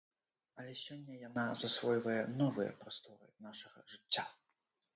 Але сёння яна засвойвае новыя прасторы нашага жыцця.